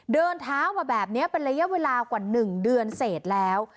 เดินเท้ามาแบบนี้เป็นระยะเวลากว่า๑เดือนเสร็จแล้ว